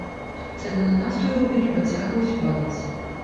Цэны на нафту і рубель працягваюць падаць.